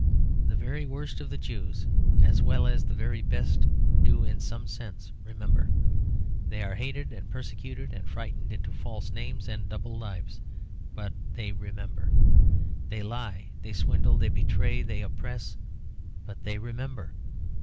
The very worst of the Jews, as well as the very best, do in some sense remember. They are hated and persecuted and frightened into false names and double lives; but they remember. They lie, they swindle, they betray, they oppress; but they remember.